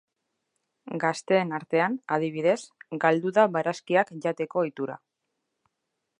Gazteen artean, adibidez, galdu da barazkiak jateko ohitura.